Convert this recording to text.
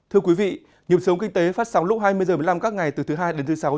thưa quý vị nhiệm sống kinh tế phát sóng lúc hai mươi h một mươi năm các ngày từ thứ hai đến thứ sáu